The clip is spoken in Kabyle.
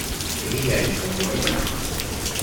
Ihi yeɛjeb-am waya?